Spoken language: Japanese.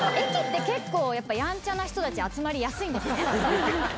結構やっぱやんちゃな人たち集まりやすいんですね。